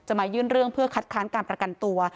มายื่นเรื่องเพื่อคัดค้านการประกันตัว